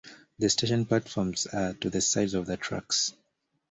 The station platforms are to the sides of the tracks.